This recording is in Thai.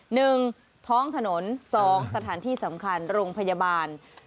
หนึ่งท้องถนนสองสถานที่สำคัญโรงพยาบาล